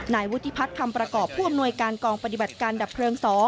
นายวุฒิพัฒน์คำประกอบผู้อำนวยการกองปฏิบัติการดับเพลิง๒